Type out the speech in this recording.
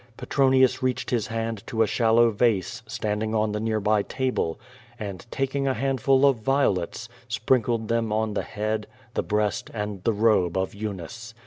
Petronius reached his hand to a shallow vase standing on the nearby table, and taking a handful of vio lets, sprinkled them on the head, the breast and the robe of Eunice.